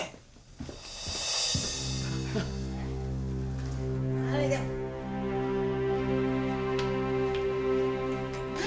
nah nih jang